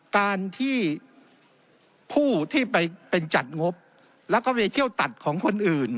การที่ผู้ที่ไปเป็นจัดงบแล้วก็ไปเที่ยวตัดของคนอื่น